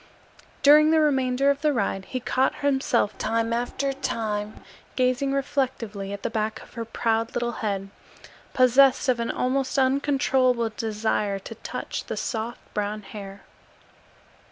During the remainder of the ride he caught himself time after time gazing reflectively at the back of her proud little head, possessed of an almost uncontrollable desire to touch the soft brown hair.